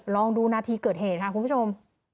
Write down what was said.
ลองดูนาทีเกิดเหตุค่ะคุณผู้ชม